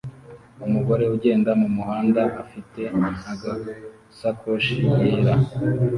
Umugore ugenda mumuhanda afite agasakoshi yera